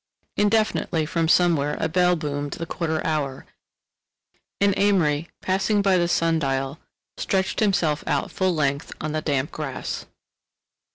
Indefinitely from somewhere a bell boomed the quarter hour, and Amory, pausing by the sun dial, stretched himself out full length on the damp grass.